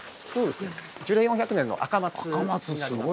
樹齢４００年の赤松になります。